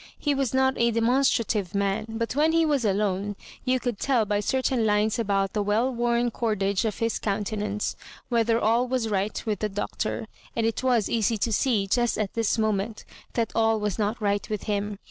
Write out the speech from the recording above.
He was not a demonstrative man, but when he was alone you could teU by certain lines about the weU wom cordage of his countenance whether all was right with the Doctor ; and it was easy to see just at this moment that all was not right with him.